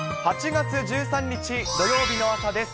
８月１３日土曜日の朝です。